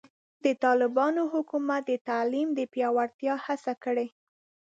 د طالبانو حکومت د تعلیم د پیاوړتیا هڅه کړې.